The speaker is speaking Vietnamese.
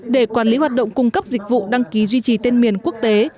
để quản lý hoạt động cung cấp dịch vụ đăng ký duy trì tên miền quốc tế